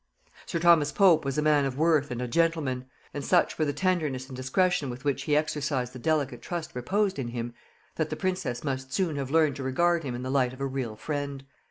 Sir Thomas Pope was a man of worth and a gentleman; and such were the tenderness and discretion with which he exercised the delicate trust reposed in him, that the princess must soon have learned to regard him in the light of a real friend.